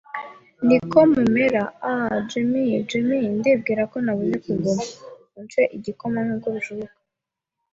niko mumera. Ah, Jim, Jim, Ndibwira ko Nabuze kuguma! Unce igikoma, nkuko bishoboka